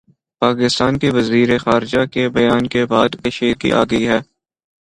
پاکستان کے وزیر خارجہ کے بیان کے بعد کشیدگی آگئی ہے